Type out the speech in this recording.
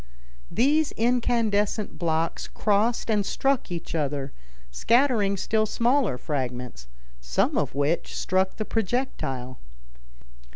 These incandescent blocks crossed and struck each other, scattering still smaller fragments, some of which struck the projectile.